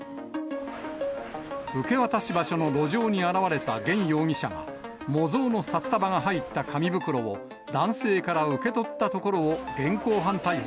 受け渡し場所の路上に現れた玄容疑者が、模造の札束が入った紙袋を男性から受け取ったところを現行犯逮捕